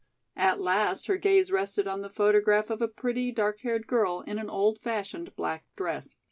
At last her gaze rested on the photograph of a pretty, dark haired girl in an old fashioned black dress.